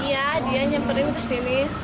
iya dia nyamperin kesini